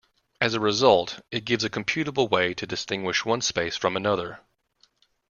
As a result, it gives a computable way to distinguish one space from another.